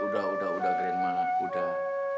udah udah udah kerenma udah